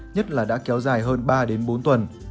nhất là đã kéo dài hơn ba bốn tuần